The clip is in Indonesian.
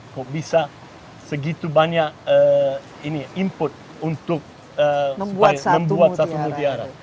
kok bisa segitu banyak input untuk membuat satu mutiara